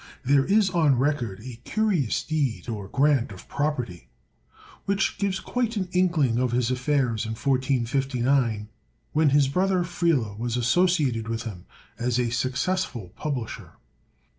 There is on record a curious deed, or grant of property, which gives quite an inkling of his affairs in 1459, when his brother Friele was associated with him as a successful publisher.